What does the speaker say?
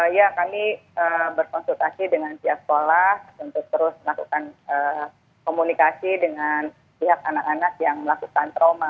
ya kami berkonsultasi dengan pihak sekolah untuk terus melakukan komunikasi dengan pihak anak anak yang melakukan trauma